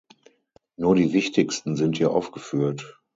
Nur die wichtigsten sind hier aufgeführt.